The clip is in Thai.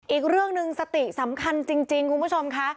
อีกเรื่องหนึ่งสติสำคัญจริงคุณผู้ชมค่ะ